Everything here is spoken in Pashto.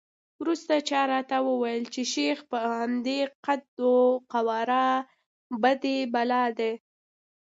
وروسته چا راته وویل چې شیخ په همدې قد وقواره بدي بلا دی.